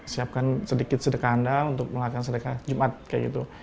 siapkan sedikit sedekah anda untuk melakukan sedekah jumat kayak gitu